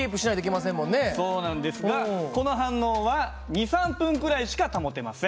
そうなんですがこの反応は２３分くらいしか保てません。